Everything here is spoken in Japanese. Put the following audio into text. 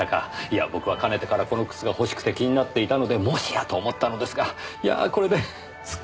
いや僕はかねてからこの靴が欲しくて気になっていたのでもしやと思ったのですがいやこれですっきりしました。